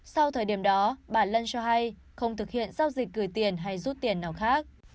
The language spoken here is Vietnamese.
sau thời điểm đó bà lân cho hay không thực hiện giao dịch gửi tiền hay rút tiền nào khác